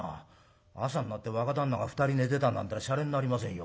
朝になって若旦那が２人寝てたなんてのはしゃれになりませんよ